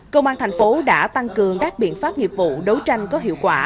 công an tp hcm đã tăng cường các biện pháp nghiệp vụ đấu tranh có hiệu quả